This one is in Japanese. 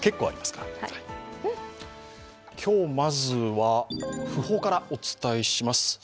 今日、まずは訃報からお伝えします